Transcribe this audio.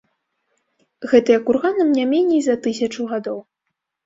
Гэтыя курганам не меней за тысячу гадоў.